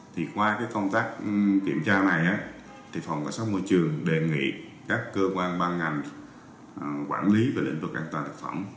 thì qua công tác kiểm tra này thì phòng cảnh sát môi trường đề nghị các cơ quan ban ngành quản lý về lĩnh vực an toàn thực phẩm